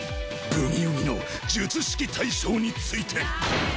「不義遊戯」の術式対象について。